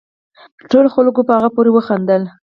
ټولو خلقو په هغه پورې وخاندل